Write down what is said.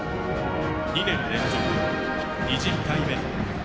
２年連続２０回目。